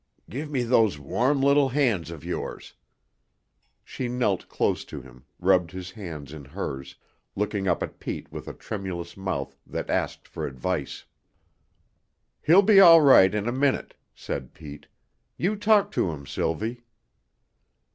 "Give me those warm little hands of yours." She knelt close to him, rubbed his hands in hers, looking up at Pete with a tremulous mouth that asked for advice. "He'll be all right in a minute," said Pete. "You talk to him, Sylvie."